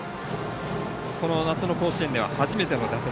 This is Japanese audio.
この夏の甲子園では初めての打席。